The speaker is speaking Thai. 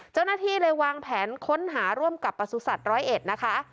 เจ้าหน้าที่เลยวางแผนค้นหาร่วมกับประสุทธิ์ร้อยเอ็ดนะคะ